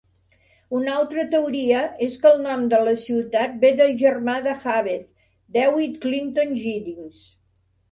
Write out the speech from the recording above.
Una altra teoria és que el nom de la ciutat ve del germà de Jabez, Dewitt Clinton Giddings.